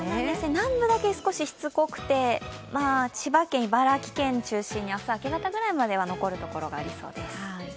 南部だけ少ししつこくて、千葉県、茨城県を中心に明日明け方くらいまでは残るところがありそうです。